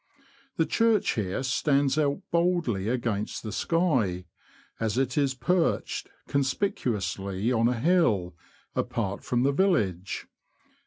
The church here stands out boldly against the sky, as it is perched conspicuously on a hill, apart from the village.